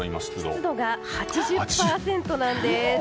湿度が８０％なんです。